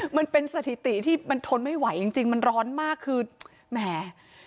มันเป็นสถิติที่มันทนไม่ไหวจริงมันร้อนมากคือแหม